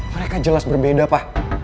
mereka jelas berbeda pa